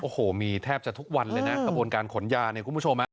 โอ้โหมีแทบจะทุกวันเลยนะกระบวนการขนยาเนี่ยคุณผู้ชม